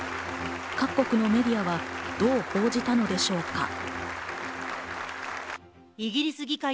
各国のメディアはどう報じたのでしょうか。